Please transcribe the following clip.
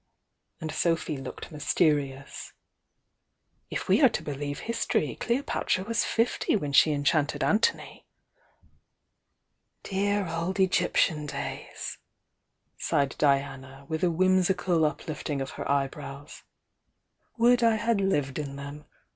and Sophy looked mysterious. "If we are to believe history, Cleo patra was fifty when she enchanted Anthony." "Dear old Egyptian days!" sighed Diana, with a whimsical uplifting of her eyebrows. "Would I had lived in them!